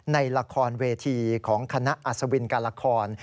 ในละครเวทีของคณะอัศวินการละคร